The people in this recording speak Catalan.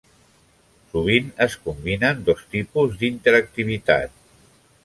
Sovint es combinen dos tipus d'interactivitat.